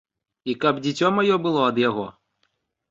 І каб дзіцё маё было ад яго?